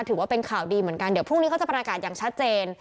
ถือว่าเป็นข่าวดีเหมือนกันเดี๋ยวพรุ่งนี้เขาจะประกาศอย่างชัดเจน